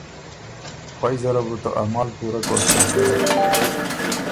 فئ زره بو ته عمل پُورۀ کوشِش دوک